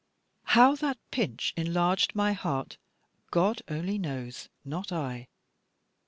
How that pinch enlarged my heart, God only knows, not I.